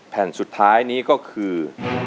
แผ่นสุดท้ายนี้ก็คือ